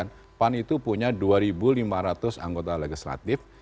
pan itu punya dua lima ratus anggota legislatif